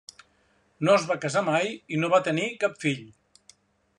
No es va casar mai i no va tenir cap fill.